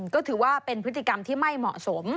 ก็ถือว่าเป็นพฤติกรรมที่ไม่เหมาะสม